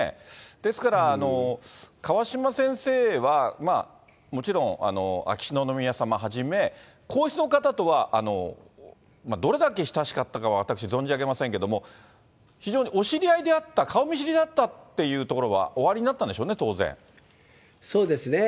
ですから、川嶋先生は、もちろん秋篠宮さまはじめ皇室の方とはどれだけ親しかったかは私、存じ上げませんけれども、非常にお知り合いであった、顔見知りであったというところはおありになったんでしょうね、そうですね。